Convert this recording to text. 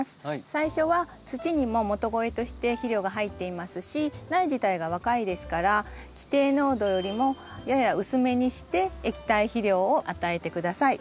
最初は土にも元肥として肥料が入っていますし苗自体が若いですから規定濃度よりもやや薄めにして液体肥料を与えて下さい。